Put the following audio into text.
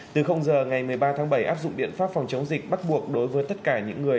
từ giờ ngày một mươi ba tháng bảy áp dụng biện pháp phòng chống dịch bắt buộc đối với tất cả những người